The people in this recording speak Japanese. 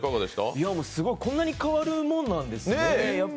こんなに変わるもんなんですね。